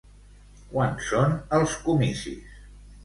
Quan són els comicis?